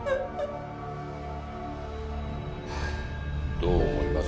どう思います？